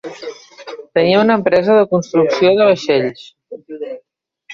Tenia una empresa de construcció de vaixells.